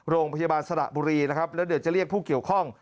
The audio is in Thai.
โรงพยาบาลศต์สระบุรีและเดินจะเรียกผู้เกี่ยวข้อง